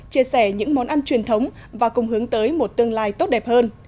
chia sẻ những món ăn truyền thống và cùng hướng tới một tương lai tốt đẹp hơn